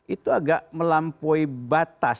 itu agak melampaui batas